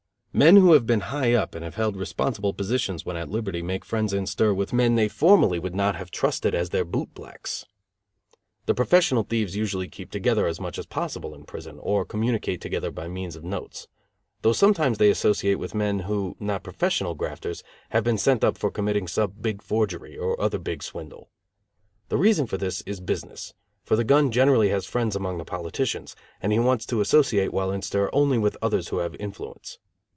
Men who have been high up and have held responsible positions when at liberty make friends in stir with men they formerly would not have trusted as their boot blacks. The professional thieves usually keep together as much as possible in prison, or communicate together by means of notes; though sometimes they associate with men who, not professional grafters, have been sent up for committing some big forgery, or other big swindle. The reason for this is business; for the gun generally has friends among the politicians, and he wants to associate while in stir only with others who have influence.